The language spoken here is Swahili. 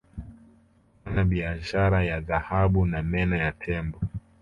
kufanya biashara ya dhahabu na meno ya tembo